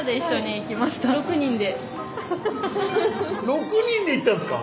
６人で行ったんですか！？